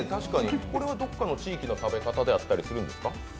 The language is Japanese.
これはどこかの地域の食べ方であったりするんですか？